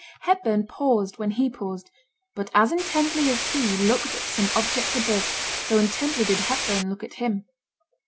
Hepburn paused when he paused, but as intently as he looked at some object above, so intently did Hepburn look at him.